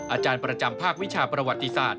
อาจารย์ประจำภาควิชาประวัติศาสตร์